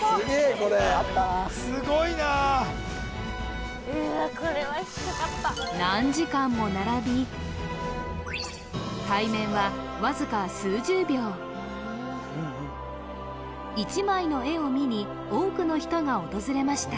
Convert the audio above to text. これは引っかかった何時間も並び対面はわずか数十秒１枚の絵を見に多くの人が訪れました